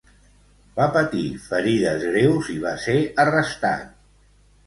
Va patir ferides greus i va ser arrestat.